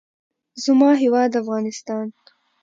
زما هېواد افغانستان.